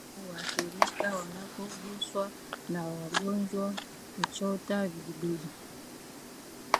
Ngombe wasioathirika wanapogusana na wagonjwa huchota vijidudu